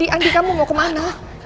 andi kamu mau kemana